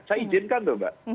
saya izinkan loh mbak